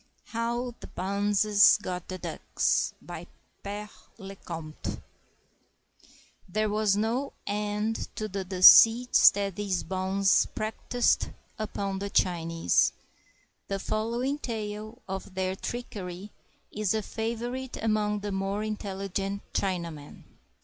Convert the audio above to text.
HOW THE BONZES GOT THE DUCKS BY PERE LE COMTE [There was no end to the deceits that these bonzes practiced upon the Chinese. The following tale of their trickery is a favorite among the more intelligent Chinamen.